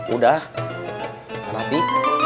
udah kan api